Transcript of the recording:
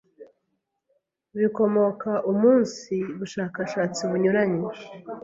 bikomoka umunsi bushakashatsi bunyuranye,